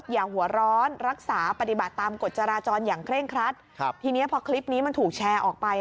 อย่างเคร่งครัดทีนี้พอคลิปนี้มันถูกแชร์ออกไป